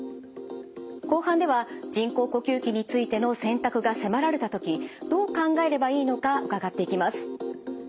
後半では人工呼吸器についての選択が迫られた時どう考えればいいのか伺っていきます。